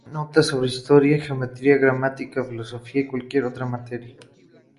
Contiene notas sobre historia, geometría, gramática, filosofía y casi cualquier otra materia.